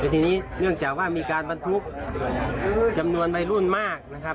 ทีนี้เนื่องจากว่ามีการบรรทุกจำนวนวัยรุ่นมากนะครับ